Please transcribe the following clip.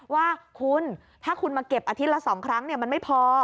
ว่าคุณถ้าคุณมาเก็บอาทิตย์ละ๒ครั้งมันไม่พอ